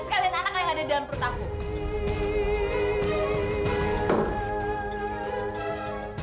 sekalian anak yang ada di dalam perut aku